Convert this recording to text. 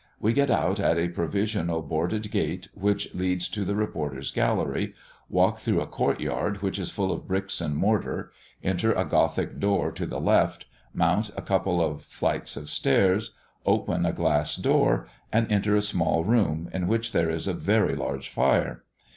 We get out at a provisional boarded gate, which leads to the reporters' gallery, walk through a court yard, which is full of bricks and mortar, enter a gothic door to the left, mount a couple of flights of stairs, open a glass door, and enter a small room, in which there is a very large fire.